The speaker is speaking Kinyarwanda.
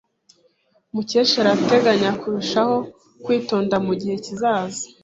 Mukesha arateganya kurushaho kwitonda mugihe kizaza.